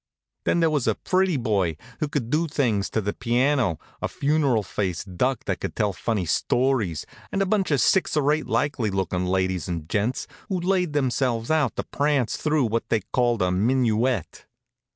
Then there was a pretty boy who could do things to the piano, a funeral faced duck that could tell funny stories, and a bunch of six or eight likely lookin' ladies and gents who'd laid themselves out to prance through what they called a minuet.